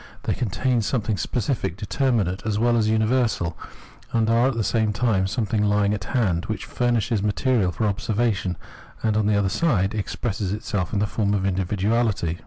They contain something specific, determinate, as well as universal, and are at the same time something lying at hand, which furnishes material for observation and on the other side ex presses itself in the form of individuahty.